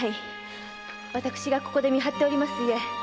〔私がここで見張っております